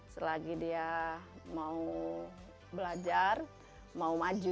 selagi dia mau belajar mau maju